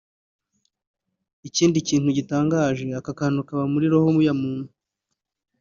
Ikindi kintu gitangaje aka kantu kaba muri roho ya muntu